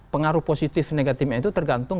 pengaruh positif negatifnya itu tergantung